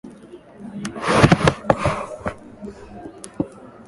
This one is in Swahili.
benzodiazepini kwa kusafisha athari za pombe ambayo huzuia deliriamu